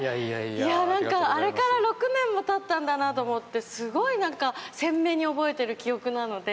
あれから６年もたったんだなと思ってすごい鮮明に覚えている記憶なので。